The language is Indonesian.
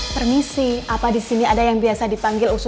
permisi apa disini ada yang biasa dipanggil usus goreng